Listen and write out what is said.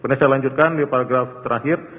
ini saya lanjutkan di paragraf terakhir